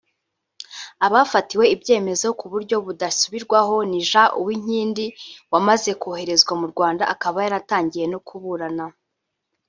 Abafatiwe ibyemezo ku buryo budasubirwaho ni Jean Uwinkindi (wamaze koherezwa mu Rwanda akaba yaratangiye no kuburana)